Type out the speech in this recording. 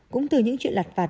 cũng từ những chuyện lặt vặt